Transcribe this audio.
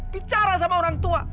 bicara sama orang tua